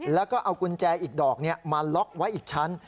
แล้วก็เอากุญแจอีกดอกมาล็อกไว้อีกชั้น